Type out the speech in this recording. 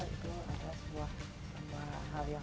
itu adalah sebuah hal yang